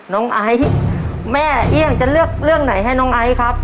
ไอซ์แม่เอี่ยงจะเลือกเรื่องไหนให้น้องไอซ์ครับ